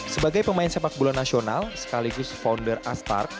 sebagai pemain sepak bola nasional sekaligus founder astar